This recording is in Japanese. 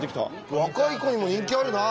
若い子にも人気あるなあ。